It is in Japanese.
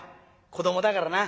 子どもだからな。